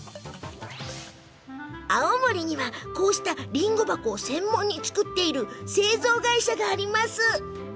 青森には、こうしたりんご箱を専門に作っている製造会社があります。